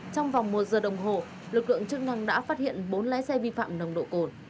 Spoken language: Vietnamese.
trong vòng một giờ đồng hồ lực lượng chức năng đã phát hiện bốn lái xe vi phạm nồng độ cồn